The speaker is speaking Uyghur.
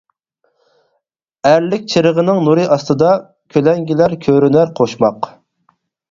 ئەرلىك چىرىغىنىڭ نۇرى ئاستىدا، كۆلەڭگىلەر كۆرۈنەر قوشماق.